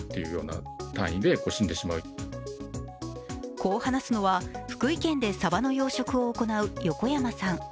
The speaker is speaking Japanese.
こう話すのは福井県でさばの養殖を行う横山さん。